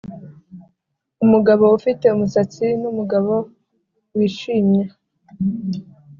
umugabo ufite umusatsi numugabo wishimye,